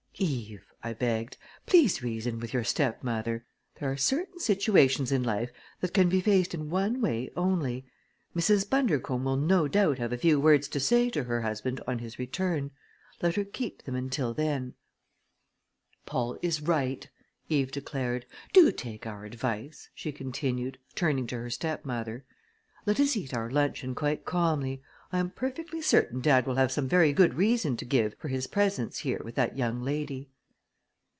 "Eve," I begged, "please reason with your stepmother. There are certain situations in life that can be faced in one way only. Mrs. Bundercombe will no doubt have a few words to say to her husband on his return. Let her keep them until then." "Paul is right!" Eve declared. "Do take our advice!" she continued, turning to her stepmother. "Let us eat our luncheon quite calmly. I am perfectly certain dad will have some very good reason to give for his presence here with that young lady."